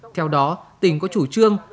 theo đó tỉnh có chủ trương